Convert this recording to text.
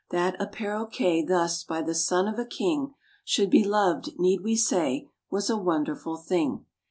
That a parroquet thus by the son of a king Should be loved, need we say, was a wonderful thing.